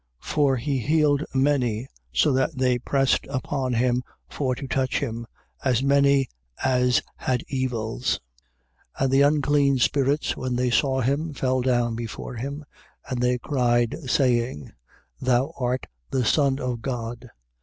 3:10. For he healed many, so that they pressed upon him for to touch him, as many as had evils. 3:11. And the unclean spirits, when they saw him, fell down before him: and they cried, saying: 3:12. Thou art the Son of God.